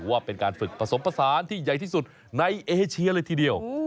ว่าเป็นการฝึกผสมผสานที่ใหญ่ที่สุดในเอเชียเลยทีเดียว